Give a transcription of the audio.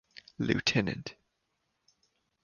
Lieutenant.